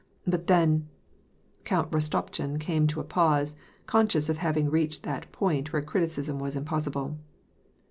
But then "— Count Rostopchin came to a pause, conscious of having reached that point where criticism was impossible.